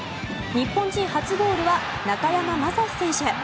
日本人初ゴールは中山雅史選手。